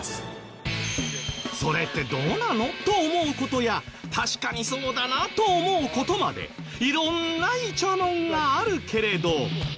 それってどうなの？と思う事や確かにそうだなと思う事まで色んなイチャモンがあるけれど。